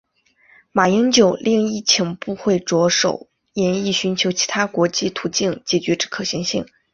马英九另亦请部会着手研议寻求其他国际途径解决之可行性。